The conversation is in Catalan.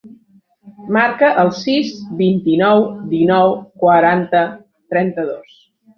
Marca el sis, vint-i-nou, dinou, quaranta, trenta-dos.